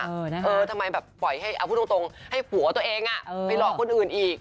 เออทำไมแบบปล่อยให้เอาพูดตรงให้ผัวตัวเองไปหลอกคนอื่นอีก